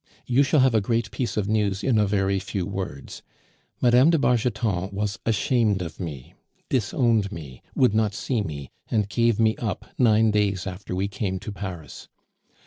You shall have a great piece of news in a very few words. Mme. de Bargeton was ashamed of me, disowned me, would not see me, and gave me up nine days after we came to Paris.